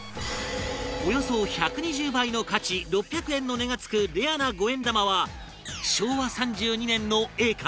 およそ１２０倍の価値６００円の値が付くレアな五円玉は昭和３２年のＡか？